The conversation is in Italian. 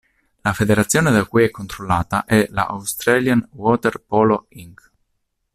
La federazione da cui è controllata è la "Australian Water Polo Inc.".